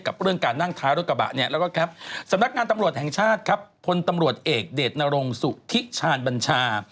เรื่องการนั่งท้ายรถกระบะเนี่ยแล้วก็แคปสำนักงานตำรวจแห่งชาติครับพลตำรวจเอกเดชนรงสุธิชาญบัญชา